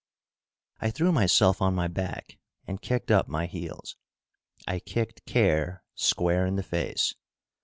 I threw myself on my back and kicked up my heels. I kicked care square in the face.